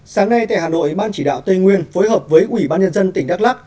sáng nay tại hà nội ban chỉ đạo tây nguyên phối hợp với ủy ban nhân dân tỉnh đắk lắc